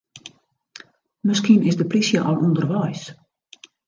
Miskien is de plysje al ûnderweis.